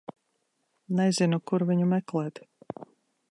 Nezinu, kur viņu meklēt.